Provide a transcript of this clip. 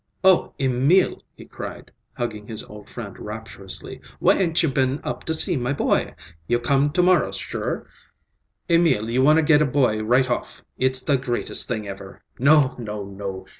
"Oh, Emil," he cried, hugging his old friend rapturously, "why ain't you been up to see my boy? You come to morrow, sure? Emil, you wanna get a boy right off! It's the greatest thing ever! No, no, no!